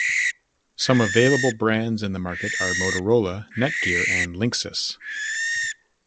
Some available brands in the market are Motorola, Netgear, and linksys.